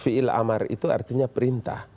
fi'il amar itu artinya perintah